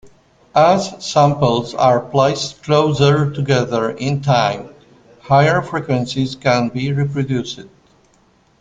As samples are placed closer together in time, higher frequencies can be reproduced.